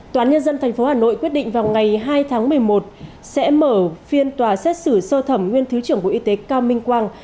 tòa án nhân dân tp hà nội quyết định vào ngày hai tháng một mươi một sẽ mở phiên tòa xét xử sơ thẩm nguyên thứ trưởng bộ y tế cao minh quang